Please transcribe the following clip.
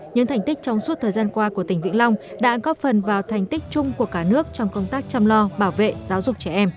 những thành tích trong suốt thời gian qua của tỉnh vĩnh long đã góp phần vào thành tích chung của cả nước trong công tác chăm lo bảo vệ giáo dục trẻ em